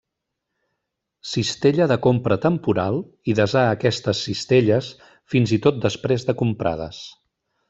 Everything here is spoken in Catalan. Cistella de compra temporal i desar aquestes cistelles fins i tot després de comprades.